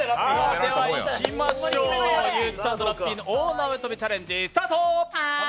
ではいきましょう、ゆーづさんとラッピーの大縄跳びチャレンジスタート！